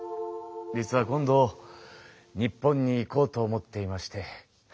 実は今度日本に行こうと思っていまして。